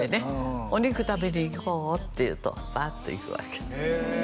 「お肉食べに行こう」って言うとパーッと行くわけへえ